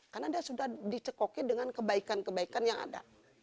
karena dia sudah dicekoki dengan kebaikan kebaikan yang ada